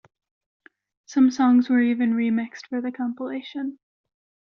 Some songs were even re-mixed for the compilation.